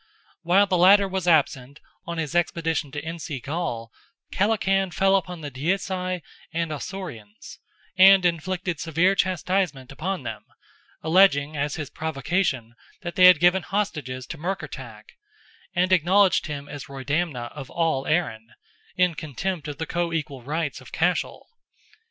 While the latter was absent, on his expedition to Insi Gall, Kellachan fell upon the Deisi and Ossorians, and inflicted severe chastisement upon them alleging, as his provocation, that they had given hostages to Murkertach, and acknowledged him as Roydamna of all Erin, in contempt of the co equal rights of Cashel.